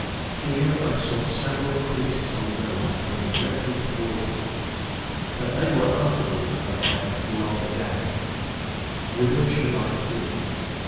Here I saw several priests on the road coming directly towards me. That they were after me, I had not a doubt. Whither should I flee?